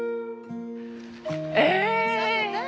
え！